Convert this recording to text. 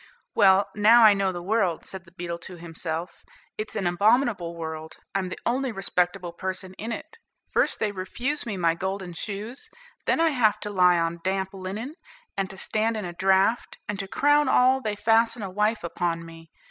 "Well, now I know the world," said the beetle to himself; "it's an abominable world; I'm the only respectable person in it. First, they refuse me my golden shoes; then I have to lie on damp linen, and to stand in a draught; and to crown all, they fasten a wife upon me.